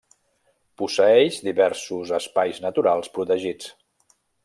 Posseeix diversos espais naturals protegits.